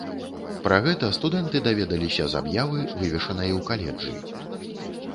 Пра гэта студэнты даведаліся з аб'явы, вывешанай ў каледжы.